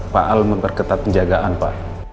pak al memperketat penjagaan pak